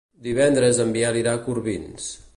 Divendres en Biel irà a Corbins.